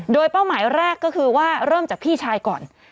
โดยเป้าหมายแรกก็คือว่าเริ่มจากพี่ชายก่อน